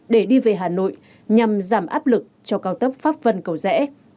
để đi về hà nội nhằm giảm áp lực cho cao tốc pháp vân cầu rẽ